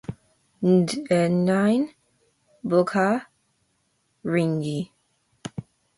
Ndedine bogha ringi.